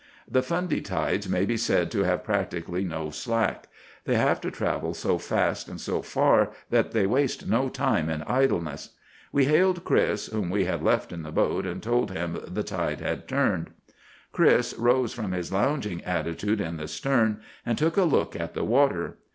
The Fundy tides may be said to have practically no slack; they have to travel so fast and so far that they waste no time in idleness. We hailed Chris, whom we had left in the boat, and told him the tide had turned. "Chris rose from his lounging attitude in the stern, and took a look at the water.